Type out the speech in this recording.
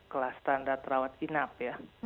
kelas standar terawat inap